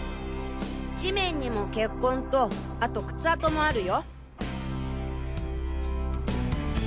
地面にも血痕とあと靴跡もあるよ。